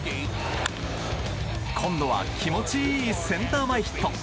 今度は気持ちいいセンター前ヒット！